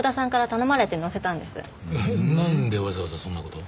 なんでわざわざそんな事を？